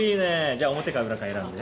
じゃあ表か裏か選んで。